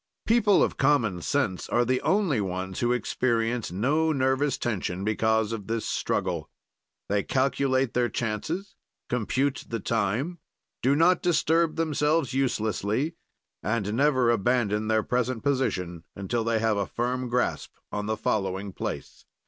"People of common sense are the only ones who experience no nervous tension because of this struggle. "They calculate their chances, compute the time, do not disturb themselves uselessly, and never abandon their present position until they have a firm grasp on the following place.